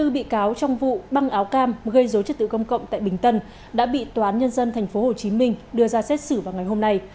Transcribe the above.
chín mươi bốn bị cáo trong vụ băng áo cam gây dối chất tự công cộng tại bình tân đã bị toán nhân dân tp hcm đưa ra xét xử vào ngày hôm nay